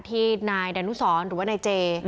ที่นายดานุสรหรือว่านายเจ